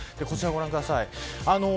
こちらをご覧ください。